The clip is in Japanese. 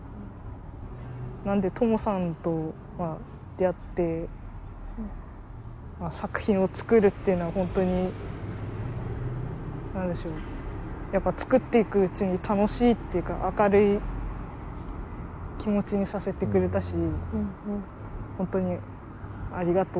なのでともさんと出会って作品を作るっていうのは本当になんでしょうやっぱり作っていくうちに楽しいっていうか明るい気持ちにさせてくれたし。